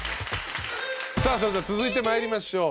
さあそれでは続いてまいりましょう。